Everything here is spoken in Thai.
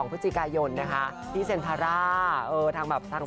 ลูกลูกคิมดูเป็นพี่แจ๊คแวบแรก